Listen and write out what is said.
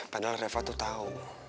padahal reva tuh tau